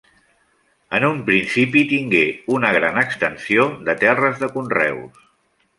En un principi tingué una gran extensió de terres de conreus.